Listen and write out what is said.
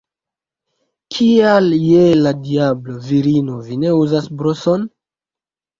Kial je la diablo, virino, vi ne uzas broson?